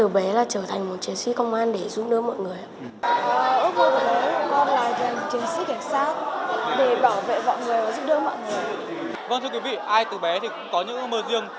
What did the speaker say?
vâng thưa quý vị ai từ bé thì cũng có những ước mơ riêng